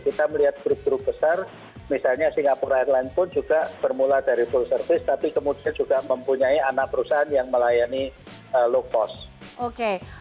kita melihat grup grup besar misalnya singapura airline pun juga bermula dari full service tapi kemudian juga mempunyai anak perusahaan yang melayani low cost